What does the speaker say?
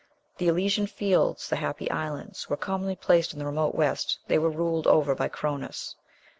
"The Elysian Fields (the happy islands) were commonly placed in the remote west. They were ruled over by Chronos."